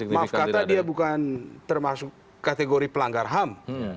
maaf kata dia bukan termasuk kategori pelanggar ham